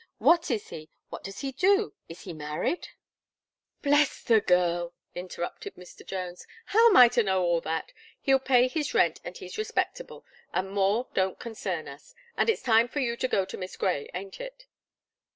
What is he? What does he do? Is he married " "Bless the girl!" interrupted Mr. Jones, "how am I to know all that? He'll pay his rent, and he's respectable, and more don't concern us; and it's time for you to go to Miss Gray, ain't it?"